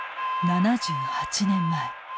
７８年前。